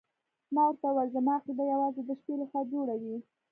ما ورته وویل زما عقیده یوازې د شپې لخوا جوړه وي.